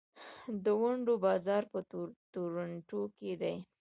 د ونډو بازار په تورنټو کې دی.